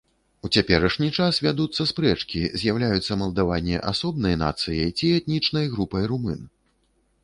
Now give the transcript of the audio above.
У цяперашні час вядуцца спрэчкі, з'яўляюцца малдаване асобнай нацыяй ці этнічнай групай румын.